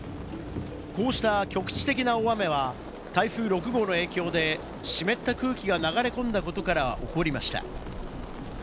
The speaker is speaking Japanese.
こうした局地的な大雨は、台風６号の影響で湿った空気が流れ込んだことから起こりました。